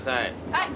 はい。